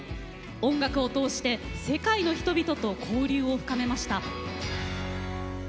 音楽を通して世界の人々と交流を深めました。